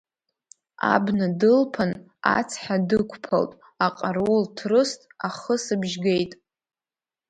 Абна дылԥан, ацҳа дықәԥалт, аҟарул ҭрыст, ахысбжь геит.